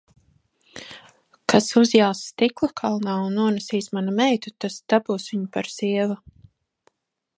Kas uzjās stikla kalnā un nonesīs manu meitu, tas dabūs viņu par sievu.